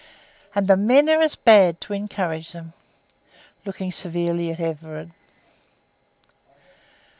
And the men are as bad to encourage them," looking severely at Everard.